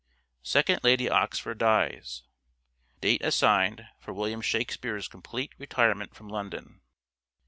Second Lady Oxford dies. Date assigned for William Shakspere's complete retirement from London.